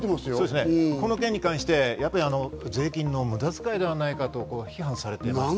この件に関して税金の無駄遣いではないかと批判されていました。